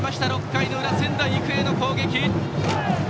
６回の裏、仙台育英の攻撃！